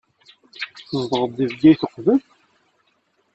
Tzedɣeḍ deg Bgayet uqbel?